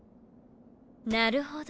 なるほど。